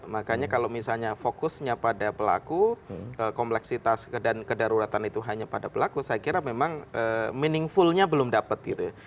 makanya kalau misalnya fokusnya pada pelaku kompleksitas dan kedaruratan itu hanya pada pelaku saya kira memang meaningfulnya belum dapat gitu ya